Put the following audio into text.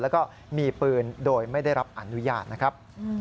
แล้วก็มีปืนโดยไม่ได้รับอนุญาตนะครับ